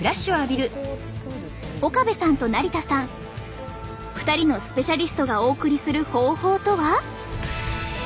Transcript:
岡部さんと成田さん２人のスペシャリストがお送りする方法とは？